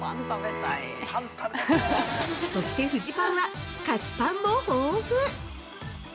そしてフジパンは菓子パンも豊富！